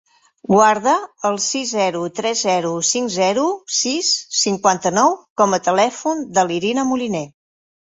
Guarda el sis, zero, tres, zero, cinc, zero, sis, cinquanta-nou com a telèfon de l'Irina Moline.